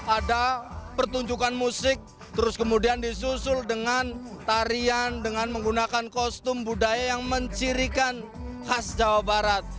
ada pertunjukan musik terus kemudian disusul dengan tarian dengan menggunakan kostum budaya yang mencirikan khas jawa barat